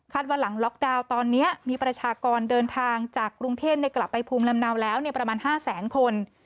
ว่าหลังล็อกดาวน์ตอนนี้มีประชากรเดินทางจากกรุงเทพกลับไปภูมิลำเนาแล้วประมาณ๕แสนคน